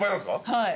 はい。